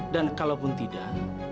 dan kalau pun tidak